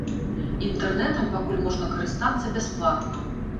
Інтэрнэтам пакуль можна карыстацца бясплатна.